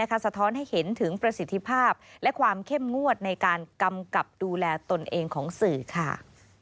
สะท้อนให้เห็นถึงประสิทธิภาพและความเข้มงวดในการกำกับดูแลตนเองของสื่อค่ะ